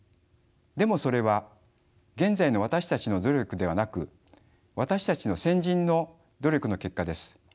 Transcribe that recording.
でもそれは現在の私たちの努力ではなく私たちの先人の努力の結果です。